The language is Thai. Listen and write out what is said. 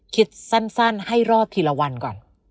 คิดสั้นให้รอดทีละวันก่อน